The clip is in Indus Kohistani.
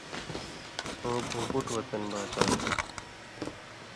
او بو بُٹ وطن بازار